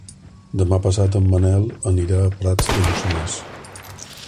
Demà passat en Manel anirà a Prats de Lluçanès.